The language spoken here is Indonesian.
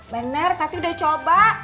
bener tadi udah coba